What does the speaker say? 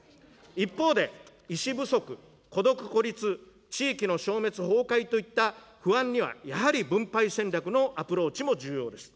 一方で、医師不足、孤独・孤立、地域の消滅・崩壊といった不安にはやはり分配戦略のアプローチも重要です。